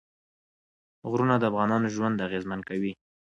غرونه د افغانانو ژوند اغېزمن کوي.